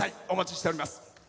お待ちしております。